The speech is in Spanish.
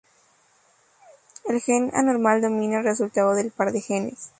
El gen anormal domina el resultado del par de genes.